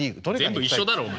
全部一緒だろお前。